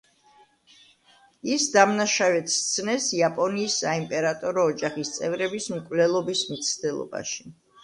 ის დამნაშავედ სცნეს იაპონიის საიმპერატორო ოჯახის წევრების მკვლელობის მცდელობაში.